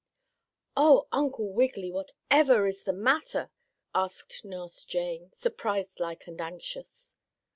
"Oh, Uncle Wiggily, whatever is the matter?" asked Nurse Jane, surprised like and anxious.